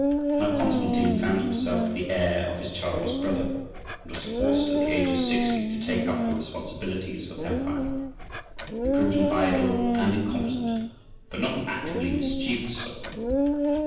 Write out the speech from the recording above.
Now Constantine found himself the heir of his childless brother, and was forced at the age of sixty to take up the responsibilities of empire. He proved an idle and incompetent, but not an actively mischievous sovereign.